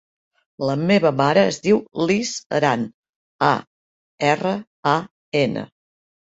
La meva mare es diu Lis Aran: a, erra, a, ena.